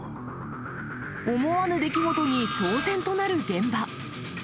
思わぬ出来事に騒然となる現場。